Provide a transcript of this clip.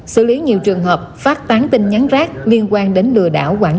xử lý nhiều trường hợp phát tán tin nhắn rác liên quan đến lừa đảo